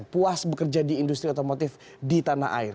puas bekerja di industri otomotif di tanah air